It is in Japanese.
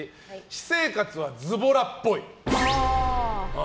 私生活はズボラっぽい。